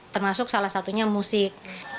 termasuk salah satunya musik